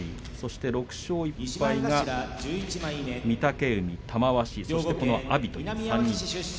６勝１敗が御嶽海と玉鷲そして阿炎ということで３人です。